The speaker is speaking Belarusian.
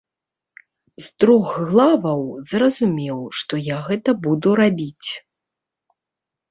З трох главаў зразумеў, што я гэта буду рабіць.